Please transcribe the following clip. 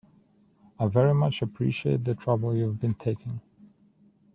I very much appreciate the trouble you've been taking